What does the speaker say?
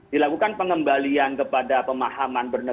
dilakukan pengembalian kepada pemahaman bernegara